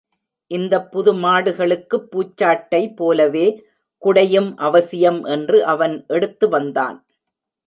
இந்தப் புது மாடுகளுக்குப் பூச்சாட்டை போலவே குடையும் அவசியம் என்று அவன் எடுத்துவந்தான்.